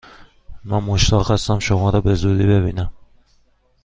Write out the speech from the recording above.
من مشتاق هستم شما را به زودی ببینم!